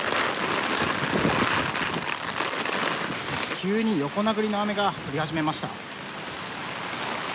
急に横殴りの雨が降り始めました。